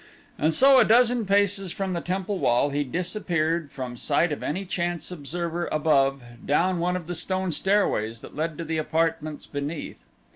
And so a dozen paces from the temple wall he disappeared from sight of any chance observer above, down one of the stone stairways that led to the apartments beneath.